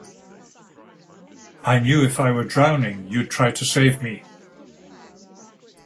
I knew if I were drowning you'd try to save me.